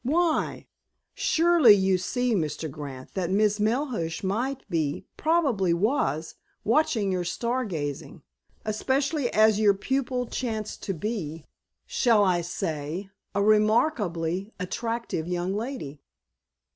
"Why?" "Surely you see, Mr. Grant, that Miss Melhuish might be, probably was, watching your star gazing, especially as your pupil chanced to be, shall I say, a remarkably attractive young lady